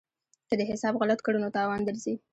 که دې حساب غلط کړ نو تاوان درځي.